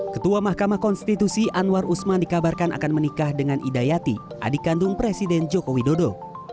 ketua mahkamah konstitusi anwar usman dikabarkan akan menikah dengan idayati adik kandung presiden joko widodo